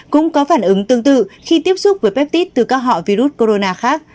không có phản ứng tương tự khi tiếp xúc với peptide từ các họ virus corona khác